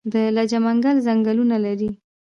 د لجه منګل ځنګلونه لري